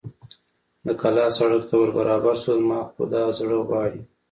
د کلا سړک ته ور برابر شو، زما خو دا زړه غواړي.